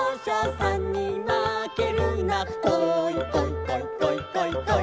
「こいこいこいこいこいこい」